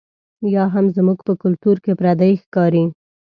یا هم زموږ په کلتور کې پردۍ ښکاري.